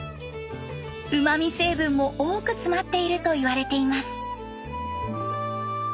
うまみ成分も多く詰まっているといわれています。